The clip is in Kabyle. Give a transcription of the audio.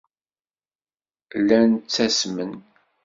Llan ttasmen.